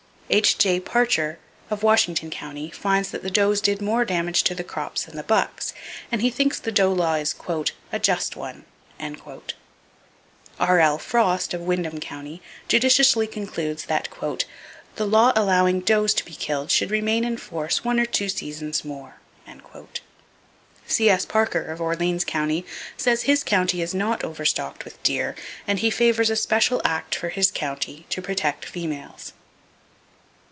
H.J. Parcher of Washington County finds that the does did more damage to the crops than the bucks, and he thinks the doe law is "a just one." R.L. Frost, of Windham County, judicially concludes that "the law allowing does to be killed should remain in force one or two seasons more." C.S Parker, of Orleans County, says his county is not overstocked with deer, and he favors a special act for his county, to protect females.